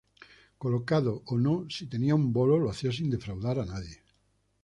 Colocado o no, si tenía un bolo lo hacía sin defraudar a nadie.